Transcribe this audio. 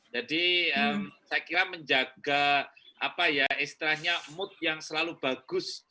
jadi saya kira menjaga apa ya istrinya mood yang selalu bagus